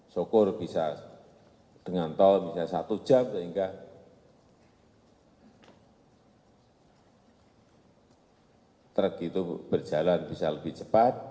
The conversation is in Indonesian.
syukur bisa dengan tol misalnya satu jam sehingga truk itu berjalan bisa lebih cepat